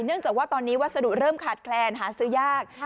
เนื่องจากว่าตอนนี้วัสดุเริ่มขาดแคลนหาซื้อยาก